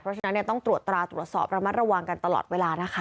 เพราะฉะนั้นต้องตรวจตราตรวจสอบระมัดระวังกันตลอดเวลานะคะ